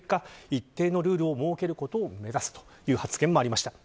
一定のルールを設けることを目指すという発言もありました。